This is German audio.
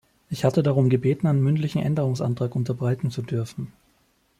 Ich hatte darum gebeten, einen mündlichen Änderungsantrag unterbreiten zu dürfen.